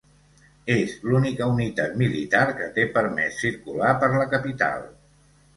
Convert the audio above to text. És l'única unitat militar que té permès circular per la capital.